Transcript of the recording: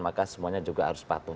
maka semuanya juga harus patuh